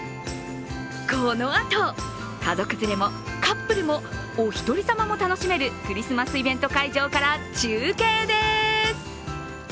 このあと、家族連れもカップルもお一人様も楽しめるクリスマスイベント会場から中継です！